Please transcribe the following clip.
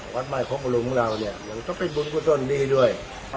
แผ่นที่ก็เพาะลุงเราก็ได้บุญพบลุ้มดีด้วย